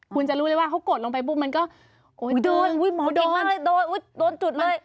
คุณจะรู้เลยว่าเขากดลงไปปุ๊บมันก็โดนมาเลยโดนจุดเลย